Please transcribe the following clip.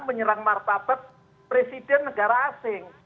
menyerang martabat presiden negara asing